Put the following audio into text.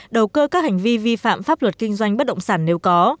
đầu cơ các hành vi vi phạm pháp luật kinh doanh bất động sản nếu có